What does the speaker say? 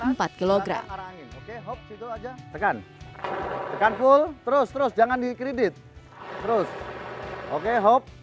oke hop situ saja tekan tekan full terus terus jangan dikredit terus oke hop